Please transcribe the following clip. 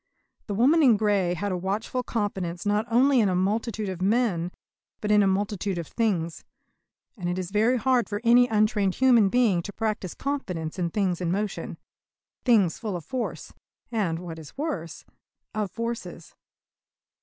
The woman in grey had a watchful confidence not only in a multitude of men but in a multitude of things. And it is very hard for any untrained human being to practise confidence in things in motion things full of force, and, what is worse, of forces.